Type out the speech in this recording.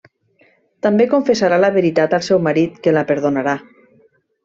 També confessarà la veritat al seu marit que la perdonarà.